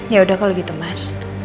ya udah kalau gitu mas